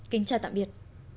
kính chào tạm biệt